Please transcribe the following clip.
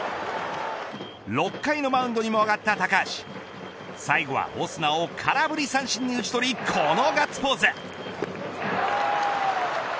６回のマウンドにも上がった高橋最後はオスナを空振り三振に打ち取りこのガッツポーズ。